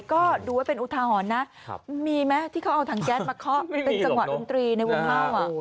ก็ดูไว้เป็นอุทาหรณ์นะมีไหมที่เขาเอาถังแก๊สมาเคาะเป็นจังหวะดนตรีในวงเล่า